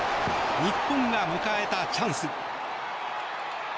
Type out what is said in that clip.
日本が迎えたチャンス。